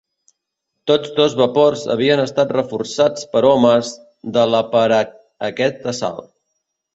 Tots dos vapors havien estat reforçats per homes de la per a aquest assalt.